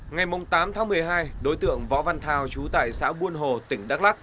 ngày tám tháng một mươi hai đối tượng võ văn thao trú tại xã buôn hồ tỉnh đắk lắc